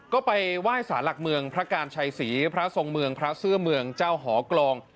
ก็ไปไหว้สารหลักเมืองพระการชัยศรีพระทรงเมืองพระเสื้อเมืองเจ้าหอกลอง